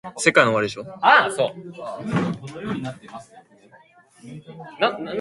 Historically, in common law countries, high treason is treason against the state.